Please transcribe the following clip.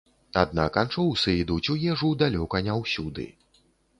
Аднак анчоўсы ідуць у ежу далёка не ўсюды.